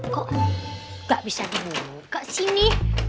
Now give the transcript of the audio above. kok gak bisa dibuka sini